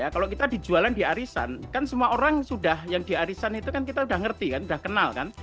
kalau kita dijualan di arisan kan semua orang sudah yang di arisan itu kan kita udah ngerti kan sudah kenal kan